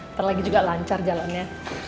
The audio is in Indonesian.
ntar lagi juga lancar jalannya